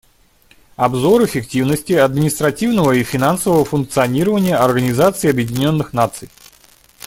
Обзор эффективности административного и финансового функционирования Организации Объединенных Наций.